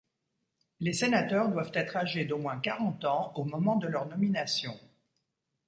Les sénateurs doivent être âgés d’au moins quarante ans au moment de leur nomination.